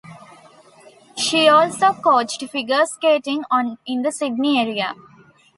She also coached figure skating in the Sydney area.